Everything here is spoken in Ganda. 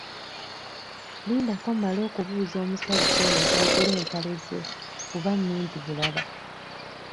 Lindako mmale okubuuza omusajja oyo gy'agula empale ze kuba nungi bulala.